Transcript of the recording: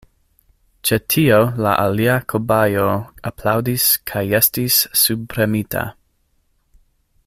Ĉe tio la alia kobajo aplaŭdis kajestis subpremita.